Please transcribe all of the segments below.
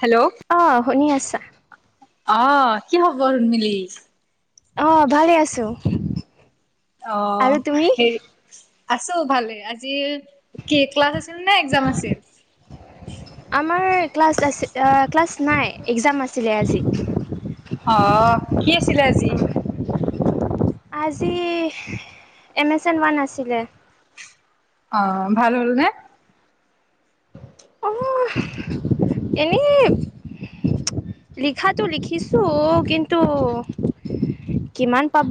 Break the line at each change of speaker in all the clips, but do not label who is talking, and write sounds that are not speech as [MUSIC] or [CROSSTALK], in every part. Hello.
অ', শুনি আছা।
অ', কি খবৰ ৰুমিলি?
অ', ভালে আছো। আৰু
অ',
তুমি
হেৰি আছো ভালে, আজি কি ক্লাছ আছিল নে এক্জাম আছিল?
আমাৰ ক্লাছ আছি, ক্লাছ নাই, এক্সাম আছিলে আজি।
অ', কি আছিলে আজি?
আজি, এমেজ'ন ওৱান আছিলে।
অ', ভাল হ'ল নে?
অ', এনেই লিখাটো লিখিছো কিন্তু কিমান পাব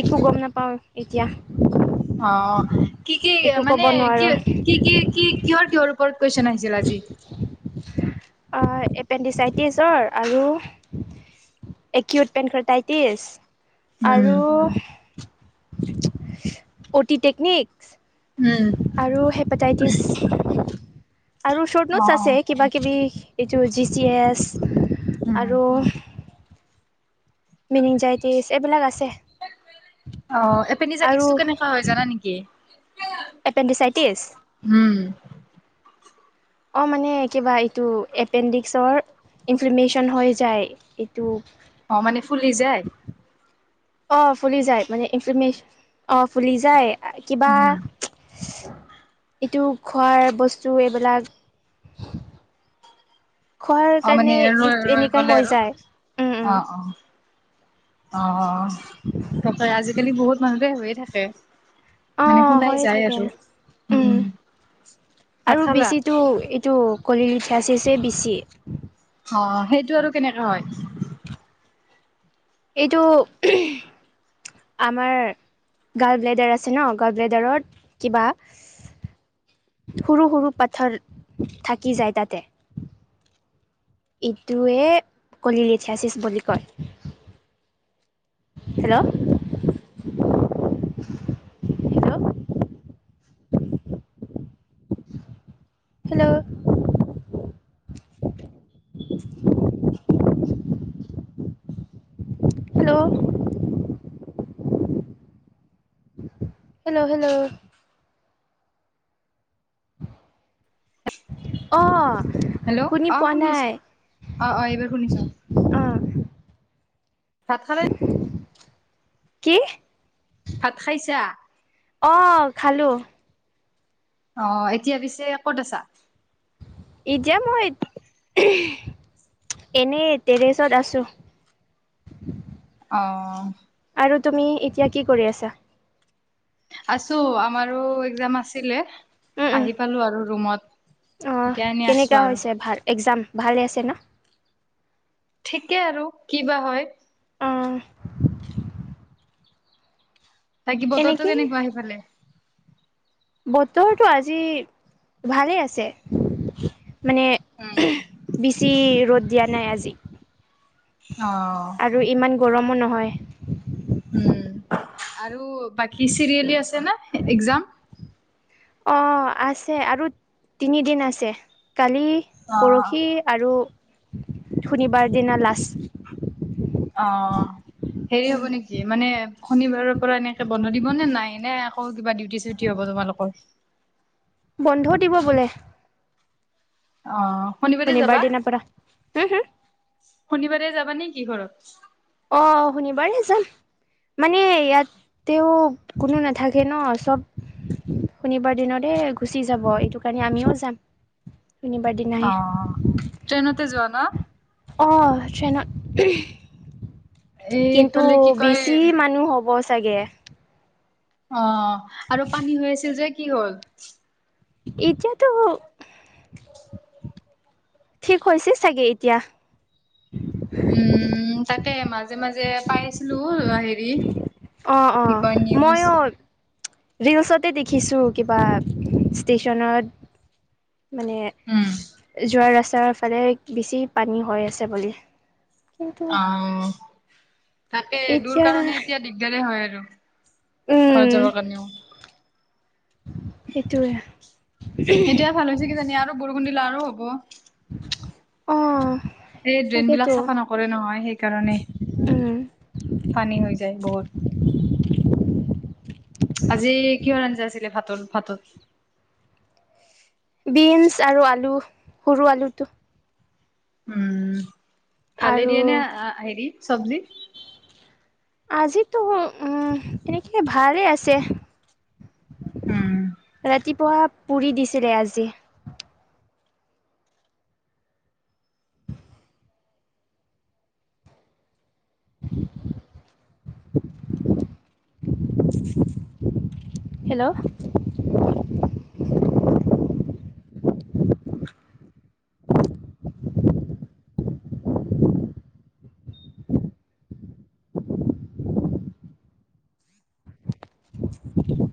একো গম নাপাওঁ এতিয়া।
অ', কি কি
একো ক'ব
মানে কিহ
নোৱাৰোঁ
কি কি কি কিহৰ কিহৰ ওপৰত কুৱেশন আহিছিল আজি?
অ', এপেণ্ডিচাইটিছৰ আৰু একউট পেনক্লোটাইটিছ।
উম
আৰু অ'টি টেকনিক।
উম
আৰু হেপটাইটিছ আৰু শৰ্ট
অ অ
নোটছ আছে কিবা কিবি এইটো জি চি এছ
উম
আৰু মিনিংজাইটিছ এইবিলাক আছে।
অ',
আৰু
আপেন্দিজাইতিক্সটো কেনেকা হয় জানা নেকি?
এপেণ্ডিচাইটিছ?
উম।
অ', মানে কিবা এইটো এপেণ্ডিক্সৰ ইনফ্লেমেশচন হৈ যায়, এইটো
অ', মানে ফুলি যায়
অ', ফুলি যায়, মানে ইনফৰমেশচন। অ', ফুলি যায় কিবা
উম
এইটো খোৱাৰ বস্তু এইবিলাক খোৱাৰ
অ',
কাৰণে
মানে এৰ ৰৈ ৰৈ
এনেকাই
গ'লে
হৈ
আৰু
যায় উম উম
অ', অ', অ', অ', তাকেই আজি আজিকালি বহুত মানুহৰে হৈয়ে থাকে। মানে
অঁ
শুনাই
হৈয়ে
যায়
থাকে
আৰু, উম। ভাত
আৰু
খালা
বেছিটো এইটো কলীনফ্ৰাছেছে বেছি
অ', সেইটো আৰু কেনেকে হয়?
এইটো, আমাৰ গলব্লেডাৰ আছে ন', গল ব্লেডাৰত কিবা সৰু সৰু পাথৰ থাকি যায় তাতে এইটোৱে কলিলএথিয়চিছ বুলি কয়। Hello. Hello hello. Hello. Hello, hello. অ',
হেল্ল'
শুনি
অ
পোৱা
শুনিছো
নাই।
অ', অ', এইবাৰ শুনিছ'
অঁ
ভাত খালে
কি?
ভাত খাইচা?
অ', খালো।
অ', এতিয়া পিছে ক'ত আছা?
এতিয়া মই এনেই টেৰেছত আছো।
অ'
আৰু তুমি এতিয়া কি কৰি আছা?
আছো আমাৰো এক্জাম আছিলে, আহি পালো আৰু ৰুমত।
অঁ,
এতিয়া এনে আছো
কেনেকুৱা
আৰু
হৈছে ভাল একজাম ভালে আছে ন?
ঠিকে আৰু কি বা হয়।
অ'
তাকি বতৰতো
এনেকে
কেনেকুৱা আহি পালে।
বতৰটো আজি ভালেই আছে, মানে।
উম।
বেছি ৰ'দ দিয়া নাই আজি,
অ
আৰু ইমান গৰমো নহয়।
আৰু বাকী চিৰিয়েলি আছেনে একজাম?
অ', আছে আৰু তিনিদিন আছে। কালি,
অ
পৰহি। আৰু শনিবাৰ দিনা লাষ্ট।
অ', হেৰি
উম
হ'ব নেকি? মানে শনিবাৰৰ পৰা এনেকে বন্ধ দিব নে নাই নে আকৌ কিবা ডিউটি চিউটি হব তোমালোকৰ?
বন্ধ দিব বোলে।
অ', শনিবাৰে
শনিবাৰ
যাবা,
দিনাৰ পৰা হুম হুম
শনিবাৰে যাবা নে কি ঘৰত?
অ শনিবাৰে যাম মানে ইয়াত। তেওঁ কোনো নাথাকে ন সব। শনিবাৰ দিন দে গুচি যাব এইটো কাৰণে আমিও যাম শনিবাৰ দিন।
অ', ট্ৰেইনতে যোৱা ন?
অ', ট্ৰেনত। কিন্তু
এইফালে কি কয়
বেছি মানুহ হ'ব চাগে।
অ', আৰু পানী হৈ আছিল যে কি হ'ল?
ইতিয়াতো। ঠিক হৈছে চাগে এতিয়া।
উম তাকে মাজে মাজে পাই আছিলো হেৰি।
অ',
কি
অ',
কয় নিউজ
ময়ো। ৰিলচতে দেখিছোঁ কিবা ষ্টেচনত মানে।
উম
যোৱা ৰাস্তাৰ ফালে বেছি পানী হৈ আছে বুলি। কিন্তু
অ', তাকে দোৰ
এতিয়া
কাৰণে এতিয়া দি দিগদাৰে হয় আৰু ঘৰত
উম
যাব কাৰণেও।
সেইটোৱে
এতিয়া ভাল হৈছে কিজানি আৰু বৰষুণ দিলে আৰু হব।
অ'
এই ড্ৰেইন বিলাক
তাকেতো
চাফা নকৰে নহয় সেইকাৰণে।
উম
পানী হৈ যায় বহুত। আজি কিহৰ আঞ্জা আছিলে ভাটত ভাটত
বিন্ছ আৰু আলু, সৰু আলুটো
উম ভালে
আৰু
দিয়ে নে হেৰি চব্জি?
আজিতো উম এনেকে ভালেই আছে
উম
ৰাতিপুৱা পুৰি দিছিলে আজি। [INAUDIBLE] Hello.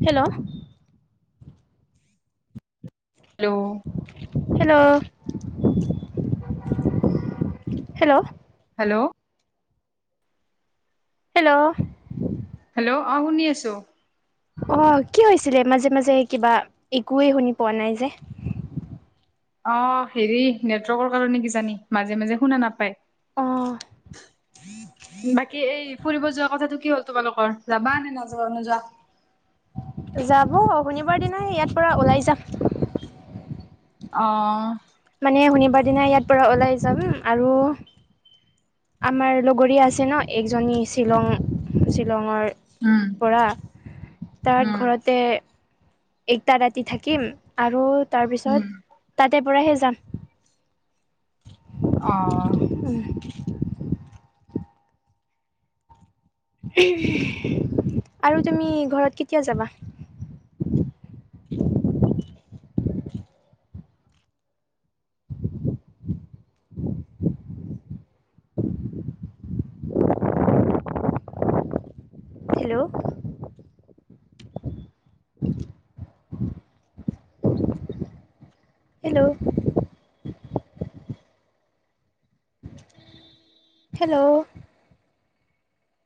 Hello.
Hello.
Hello, hello.
Hello.
Hello.
Hello অ', শুনি আছোঁ।
অ', কি হৈছিলে মাজে, মাজে কিবা একোৱে শুনি পোৱা নাই যে।
অ', হেৰি নেটৱৰ্কৰ কাৰণে কি জানি মাজে, মাজে শুনা
অ
নাপায়। বাকী এই ফুৰিব যোৱা কথাটো কি হ'ল? তোমালোকৰ যাবা নে নাযাবা নোযোৱা?
যাব শনিবাৰ দিনাই ইয়াৰ পৰা ওলাই যাম।
অ'।
মানে শনিবাৰ দিনা ইয়াৰ পৰা ওলাই যাম আৰু। আমাৰ লগৰীয়া আছে ন একজনী শ্বিলং শ্বিলঙৰ
উম।
পৰা তাত
উম
ঘৰতে। একটা ৰাতি থাকিম আৰু
উম
তাৰপিছত তাতে পৰাহে যাম।
অ'।
উম। আৰু তুমি ঘৰত কেতিয়া যাবা? হেল্ল'। হেল্ল'। হেল্ল'।